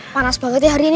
panas banget ya hari ini